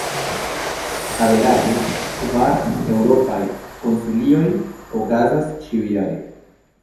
Averaĝe, kvar Eŭropaj Konsilioj okazas ĉiujare.